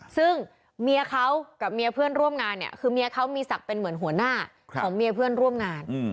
ซึ่งเมียเขากับเมียเพื่อนร่วมงานเนี่ยคือเมียเขามีศักดิ์เป็นเหมือนหัวหน้าของเมียเพื่อนร่วมงาน